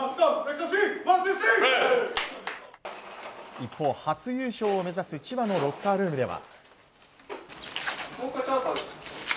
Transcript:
一方、初優勝を目指す千葉のロッカールームでは。